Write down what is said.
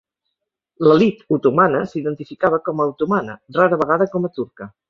L'elit otomana s'identificava com a otomana, rara vegada com a turca.